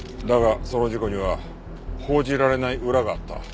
だがその事故には報じられない裏があった。